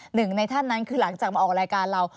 หนึ่งในท่านนั้นคือหลังจากมาออกรายการเรา